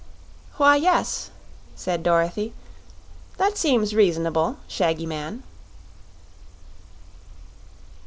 "Why, yes," said Dorothy; "that seems reas'n'ble, Shaggy Man."